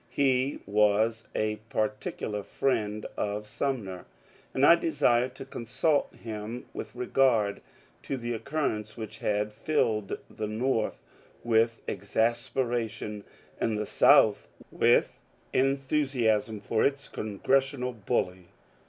He was a particu lar friend of Sumner, and I desired to consult him with regard to the occurrence which had filled the North with exasperation and the South with enthusiasm for its congressional bully.